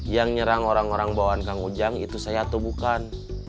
yang nyerang orang orang bawaan kang ujang itu saya atau bukan